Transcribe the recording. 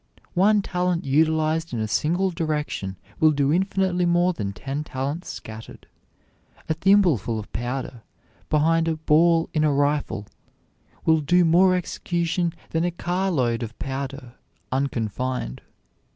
One talent utilized in a single direction will do infinitely more than ten talents scattered. A thimbleful of powder behind a ball in a rifle will do more execution than a carload of powder unconfined.